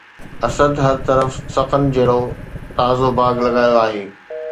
اسد هر طرف سخن جهڙو تازو باغ لڳايو آهي